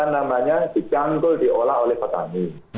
dicanggul diolah oleh petani